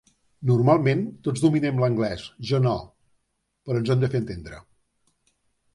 Normalment tots dominen l'anglès, jo no, però ens fem entendre.